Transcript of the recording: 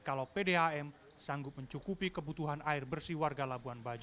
kalau pdam sanggup mencukupi kebutuhan air bersih warga